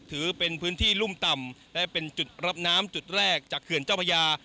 ถือเป็นพื้นที่รุ่มต่ำและเป็นจุดรับน้ำจุดแรกจากเขื่อนเจ้าพญา